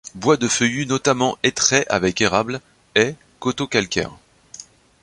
Bois de feuillus notamment hêtraies avec érables, haies, coteaux calcaires.